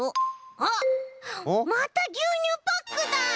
あっまたぎゅうにゅうパックだ。